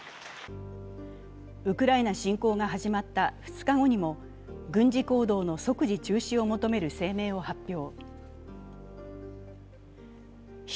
ウクライナ侵攻が始まった２日後にも軍事行動の即時中止を求める声明を発表。